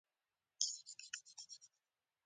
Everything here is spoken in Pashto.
له هغه وروسته یې په خلاف بغاوتونه وشول.